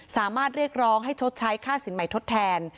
สามารถเรียกร้องให้ชดใช้ค่าสินใหม่ทดแทน